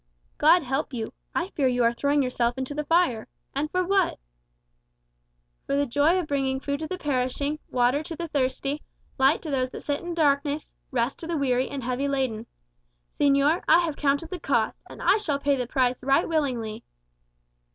"God help you. I fear you are throwing yourself into the fire. And for what?" "For the joy of bringing food to the perishing, water to the thirsty, light to those that sit in darkness, rest to the weary and heavy laden. Señor, I have counted the cost, and I shall pay the price right willingly."